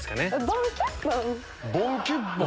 ボンキュっボン？